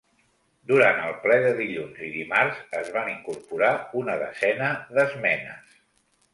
Durant el ple de dilluns i dimarts, es van incorporar una desena d’esmenes.